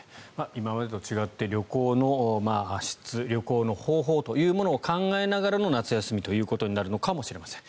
今までと違って旅行の質旅行の方法というものを考えながらの夏休みとなるのかもしれません。